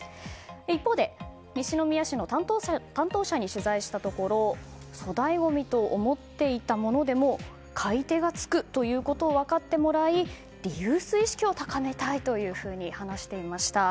一方で西宮市の担当者に取材したところ粗大ごみと思っていたものでも買い手がつくということを分かってもらいリユース意識を高めたいと話していました。